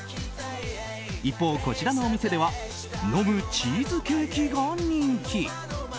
一方、こちらのお店では飲むチーズケーキが人気。